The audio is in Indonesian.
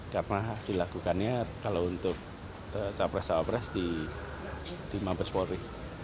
karena dilakukannya kalau untuk baca pres baca pres di mabes polri